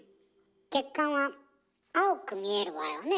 血管は青く見えるわよね。